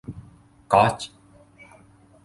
ก๊อซ